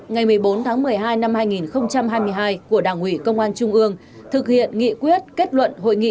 ngày một mươi bốn tháng một mươi hai năm hai nghìn hai mươi hai của đảng ủy công an trung ương thực hiện nghị quyết kết luận hội nghị